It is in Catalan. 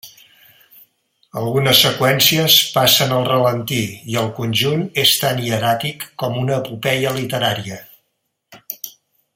Algunes seqüències passen al ralentí i el conjunt és tan hieràtic com una epopeia literària.